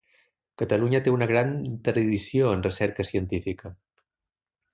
Catalunya té una gran tradició en recerca científica.